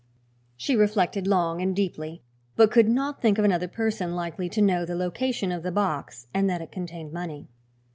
She reflected long and deeply, but could not think of another person likely to know the location of the box and that it contained money.